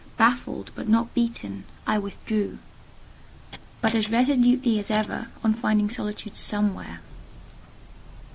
Baffled, but not beaten, I withdrew, bent as resolutely as ever on finding solitude somewhere.